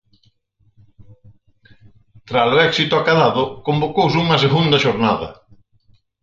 Tralo éxito acadado, convocouse unha segunda xornada.